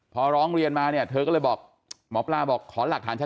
พอร้องเรียนมาเนี่ยเธอก็เลยบอกหมอปลาบอกขอหลักฐานชัด